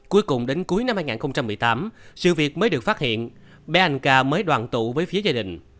cuối cùng đến cuối năm hai nghìn một mươi tám sự việc mới được phát hiện bé anh ca mới đoàn tụ với phía gia đình